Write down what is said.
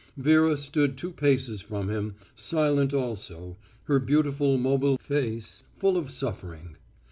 Vera stood two paces from him, silent also, her beautiful mobile face full of suffering.